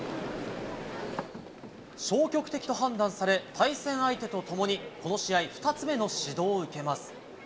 消極的と判断され、対戦相手とともに、この試合、２つ目の指導を受けます。